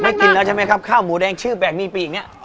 กินแล้วใช่ไหมครับข้าวหมูแดงชื่อแบบนี้ปีกเนี่ย